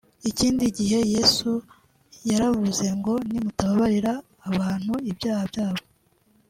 Ikindi gihe Yesu yaravuze ngo nimutababarira abantu ibyaha byabo